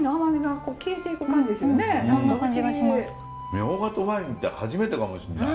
ミョウガとワインって初めてかもしんない。